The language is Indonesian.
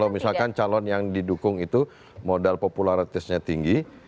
misalkan calon yang didukung itu modal popularitasnya tinggi